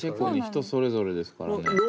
人それぞれですからね。